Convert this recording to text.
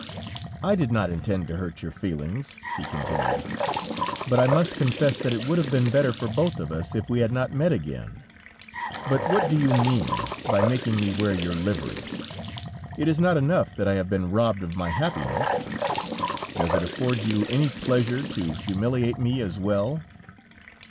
"I did not intend to hurt your feelings," he continued: "but I must confess that it would have been better for both of us, if we had not met again. But what do you mean by making me wear your livery? It is not enough that I have been robbed of my happiness? Does it afford you any pleasure to humiliate me as well?"